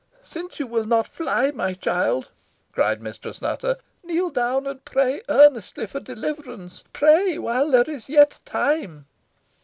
"Since you will not fly, my child," cried Mistress Nutter, "kneel down, and pray earnestly for deliverance. Pray, while there is yet time."